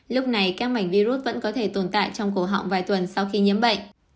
lúc này các mảnh virus vẫn có thể tồn tại trong cổ họng vài tuần sau khi nhiễm bệnh